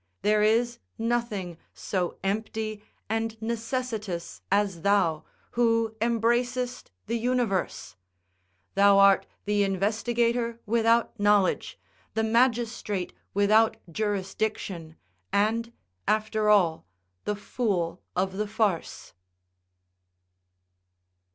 There is nothing so empty and necessitous as thou, who embracest the universe; thou art the investigator without knowledge, the magistrate without jurisdiction, and, after all, the fool of the farce."